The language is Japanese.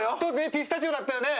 ピスタチオだったよね？